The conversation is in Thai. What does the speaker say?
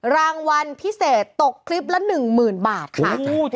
รางวัลพิเศษตกคลิปละ๑๐๐๐บาทค่ะ